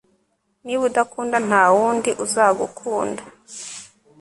niba udakunda, nta wundi uzagukunda